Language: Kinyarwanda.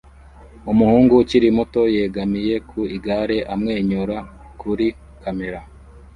Umuhungu ukiri muto yegamiye ku igare amwenyura kuri kamera